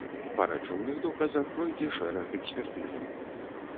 Па рэчыўных доказах пройдзе шэраг экспертызаў.